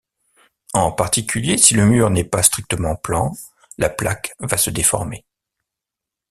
En particulier, si le mur n'est pas strictement plan, la plaque va se déformer.